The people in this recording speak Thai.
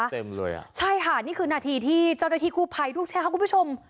เต็มเลยอ่ะใช่ค่ะนี่คือนาทีที่เจ้าหน้าที่กู้ภัยดูสิครับคุณผู้ชม